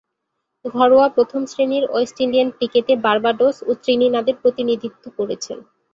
ঘরোয়া প্রথম-শ্রেণীর West Indian ক্রিকেটে বার্বাডোস ও ত্রিনিদাদের প্রতিনিধিত্ব করেছেন।